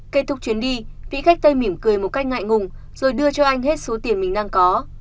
kết thúc chuyến đi vĩ khách tây mỉm cười một cách ngại ngùng rồi đưa cho anh hết số tiền mình đang có